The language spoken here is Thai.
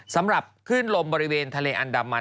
สำหรับคลื่นลมบริเวณทะเลอันดามัน